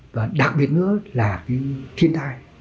và đặc biệt nữa là cái thiên thai